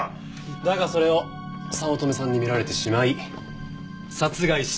だがそれを早乙女さんに見られてしまい殺害した。